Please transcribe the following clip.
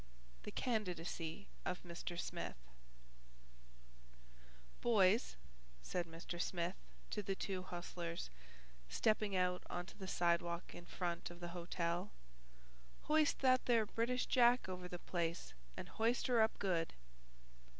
The Candidacy of Mr. Smith "Boys," said Mr. Smith to the two hostlers, stepping out on to the sidewalk in front of the hotel, "hoist that there British Jack over the place and hoist her up good."